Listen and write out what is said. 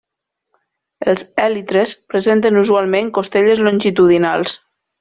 Els èlitres presenten usualment costelles longitudinals.